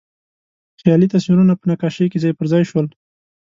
خیالي تصویرونه په نقاشۍ کې ځای پر ځای شول.